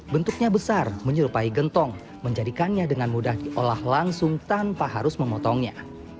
bentuknya besar menyerupai gentong menjadikannya dengan mudah diolah langsung tanpa harus memotongnya